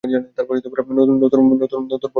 নতুন বর-কনের তরে!